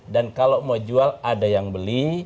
dan kalau mau jual ada yang beli